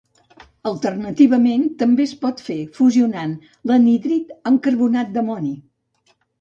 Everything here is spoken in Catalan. Alternativament també es pot fer fusionant l'anhídrid amb carbonat d'amoni.